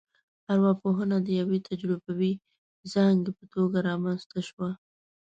ارواپوهنه د یوې تجربوي ځانګې په توګه رامنځته شوه